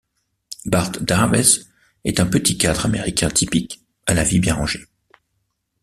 Bart Dawes est un petit cadre américain typique, à la vie bien rangée.